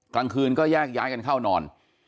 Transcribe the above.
กลางคืนก็แยกย้ายกันเข้านอน